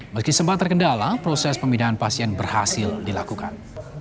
meski sempat terkendala proses pemindahan pasien berhasil dilakukan